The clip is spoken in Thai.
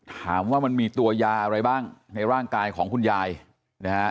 ถามว่ามันมีตัวยาอะไรบ้างในร่างกายของคุณยายนะฮะ